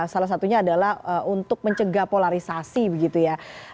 salah satunya adalah untuk mencegah polarisasi begitu ya